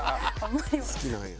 好きなんや。